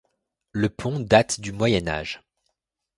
Le pont date du moyen Âge.